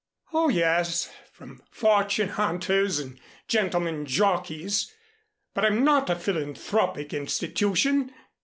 "Oh, yes, from fortune hunters and gentlemen jockeys, but I'm not a philanthropic institution.